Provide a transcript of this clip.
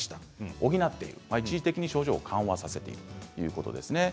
補って一時的に症状を緩和するということですね。